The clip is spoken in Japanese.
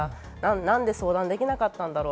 何で相談できなかったんだろう？